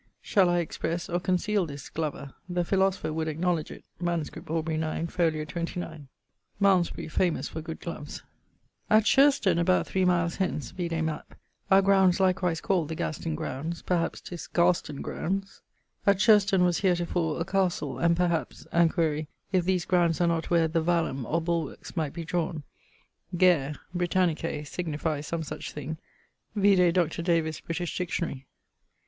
[XCI.] Shall I expresse or conceale this (glover)? The philosopher would acknowledge it. MS. Aubr. 9, fol. 29ᵛ. [XCII.] Malmesbury famous for good gloves. At Sherston about 3 miles hence (vide map) are groundes likewise called the Gasten grounds perhaps 'tis Garston grounds. At Sherston was heretofore a castle, and perhaps (and quaere) if these grounds are not where the vallum or bulwarkes might be drawne. Gaer, Britannicè, signifies some such thing, vide Dr. Davys' British Dictionary.